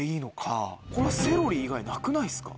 セロリ以外なくないっすか？